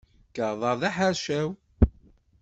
Lkaɣeḍ-a d aḥercaw.